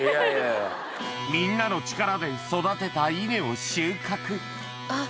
みんなの力で育てた稲を収穫あっ。